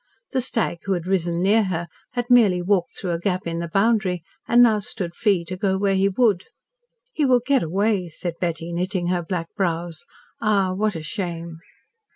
The stag who had risen near her had merely walked through a gap in the boundary and now stood free to go where he would. "He will get away," said Betty, knitting her black brows. Ah! what a shame!